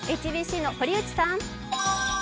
ＨＢＣの堀内さん。